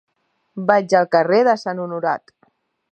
Vaig al carrer de Sant Honorat.